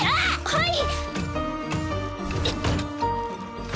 はい！